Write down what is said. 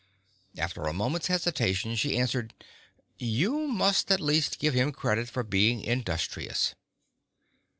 After a moment's hesitation she answered, "You must at least give him credit for being industrious."